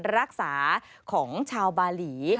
รักษาของชาวบาหลี